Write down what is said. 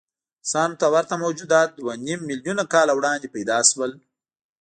انسان ته ورته موجودات دوهنیم میلیونه کاله وړاندې پیدا شول.